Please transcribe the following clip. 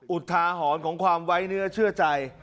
อุทาหรณ์ของความไว้เนื้อเชื่อใจ